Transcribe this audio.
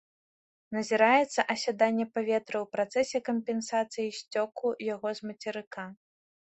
Назіраецца асяданне паветра ў працэсе кампенсацыі сцёку яго з мацерыка.